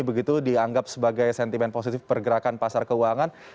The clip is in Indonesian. begitu dianggap sebagai sentimen positif pergerakan pasar keuangan